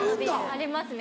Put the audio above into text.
ありますね